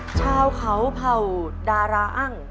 ชาวเขาเผ่าดาราอ้าง